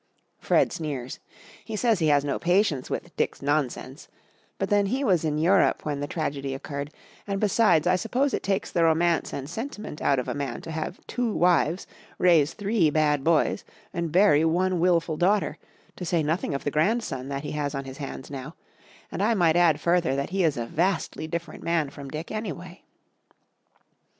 Fred sneers. He says he has no patience with "Dick's nonsense;" but then he was in Europe when the tragedy occurred, and besides I suppose it takes the romance and sentiment out of a man to have two wives, raise three bad boys and bury one willful daughter, to say nothing of the grandson he has on his hands now; and I might add further that he is a vastly different man from Dick anyway.